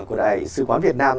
của đại sứ quán việt nam